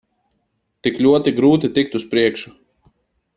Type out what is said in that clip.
Tik ļoti grūti tikt uz priekšu.